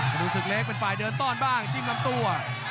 ดูศึกเล็กเป็นฝ่ายเดินต้อนบ้างจิ้มลำตัว